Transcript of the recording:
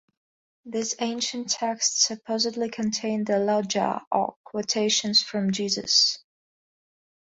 This ancient text supposedly contained the logia or quotations from Jesus.